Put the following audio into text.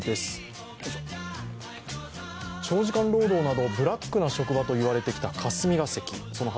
長時間労働などブラックな職場と言われてきた霞が関。